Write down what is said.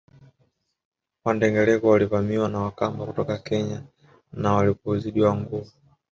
Wandengereko walivamiwa na Wakamba kutoka Kenya na walipozidiwa nguvu